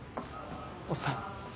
おっさん。